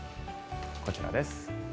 こちらです。